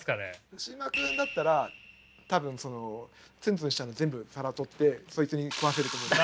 ウシジマくんだったら多分そのツンツンしたの全部皿取ってそいつに食わせると思うんです。